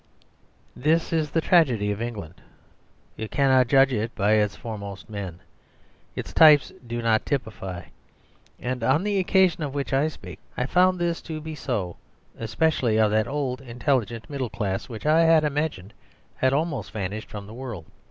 ..... This is the tragedy of England; you cannot judge it by its foremost men. Its types do not typify. And on the occasion of which I speak I found this to be so especially of that old intelligent middle class which I had imagined had almost vanished from the world.